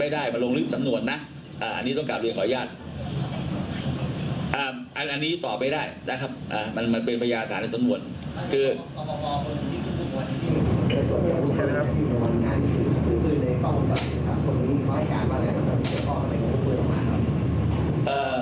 ไม่ได้มันลงลึกสำนวนนะอันนี้ต้องการเรียนขออนุญาตอันนี้ตอบไม่ได้นะครับมันมันเป็นประหยาฐานสำนวนคือ